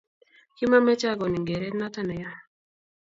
kimameche agonin geret noto yaa